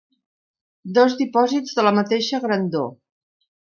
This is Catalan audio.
Dos dipòsits de la mateixa grandor.